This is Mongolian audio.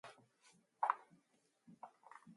Бид гагцхүү Гомбын тухай л бага сага юм мэдэж байна.